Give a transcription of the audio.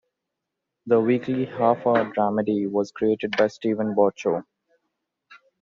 The weekly, half-hour dramedy was created by Steven Bochco.